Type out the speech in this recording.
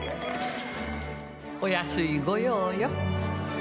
お安い御用よ。